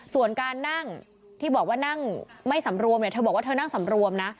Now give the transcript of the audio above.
ส่วนการนั่งที่บอกว่านั่งไม่สำรวมเนี่ยเธอบอกว่าเธอนั่งสำรวมนะ